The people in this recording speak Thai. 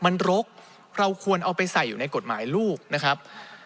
มันรกเราควรเอาไปใส่อยู่ในกฎหมายลูกนะครับ